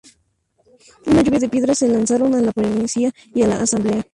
Una lluvia de piedras se lanzaron a la policía y a la Asamblea.